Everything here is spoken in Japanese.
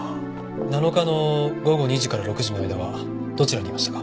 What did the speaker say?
７日の午後２時から６時の間はどちらにいましたか？